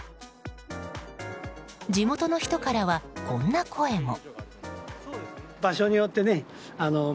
地元の人からはこんな声も。